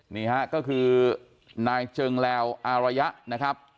นี่ฮะก็คือนายเจิงแลวอารยะนะครับ